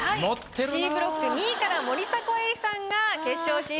Ｃブロック２位から森迫永依さんが決勝進出です。